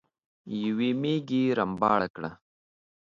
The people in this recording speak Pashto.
يوې ميږې رمباړه کړه.